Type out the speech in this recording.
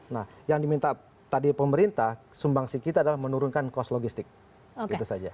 nah yang diminta tadi pemerintah sumbangsi kita adalah menurunkan cost logistik itu saja